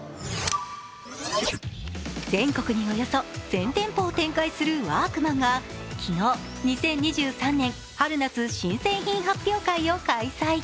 全国におよそ１０００店舗を展開するワークマンが昨日、２０２３年春夏新製品発表会を開催。